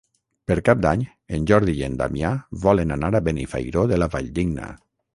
Per Cap d'Any en Jordi i en Damià volen anar a Benifairó de la Valldigna.